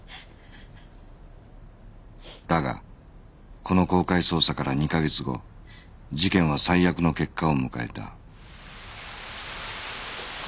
だがこの公開捜査から２か月後事件は最悪の結果を迎えた